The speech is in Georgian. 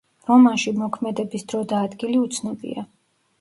რომანში მოქმედების დრო და ადგილი უცნობია.